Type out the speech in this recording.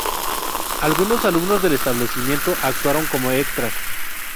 Algunos alumnos del establecimiento actuaron como extras.